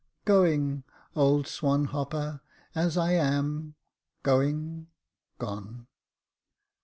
'* Going, — old swan hopper — as I am — going — gone.'